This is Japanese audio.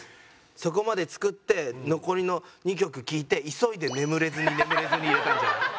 そこまで作って残りの２曲聴いて急いで「眠れずに眠れずに」入れたんじゃないか。